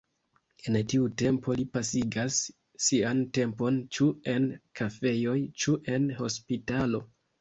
En tiu tempo li pasigas sian tempon ĉu en kafejoj ĉu en hospitalo.